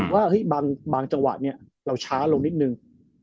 ว่าบางจังหวะนี้เราช้าลงนิดนึง